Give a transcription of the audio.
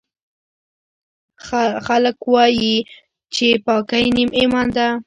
خلکوایي چې پاکۍ نیم ایمان ده